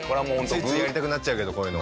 ついついやりたくなっちゃうけどこういうの。